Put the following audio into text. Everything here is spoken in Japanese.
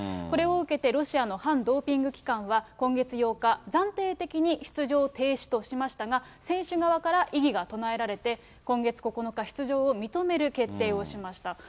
これを受けてロシアの反ドーピング機関は今月８日、暫定的に出場停止としましたが、選手側から異議が唱えられて、今月９日、出場を認める決定をしました。